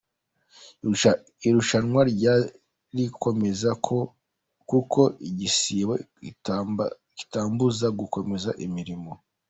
Irushanwa nzarikomeza kuko igisibo kitambuza gukomeza imirimo.